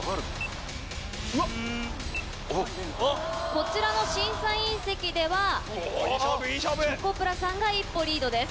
こちらの審査員席ではチョコプラさんが一歩リードです。